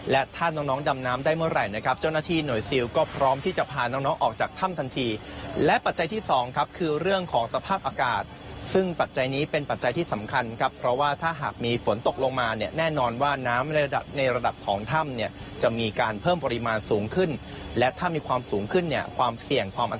และถ้าน้องน้องดำน้ำได้เมื่อไหร่นะครับเจ้าหน้าที่หน่วยซิลก็พร้อมที่จะพาน้องน้องออกจากถ้ำทันทีและปัจจัยที่สองครับคือเรื่องของสภาพอากาศซึ่งปัจจัยนี้เป็นปัจจัยที่สำคัญครับเพราะว่าถ้าหากมีฝนตกลงมาเนี่ยแน่นอนว่าน้ำในระดับของถ้ำเนี่ยจะมีการเพิ่มปริมาณสูงขึ้นและถ้ามีความสูงขึ้นเนี่ยความเสี่ยงความอ